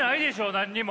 何にも。